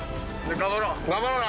頑張ろうな。